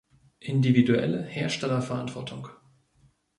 Individuelle Herstellerverantwortung.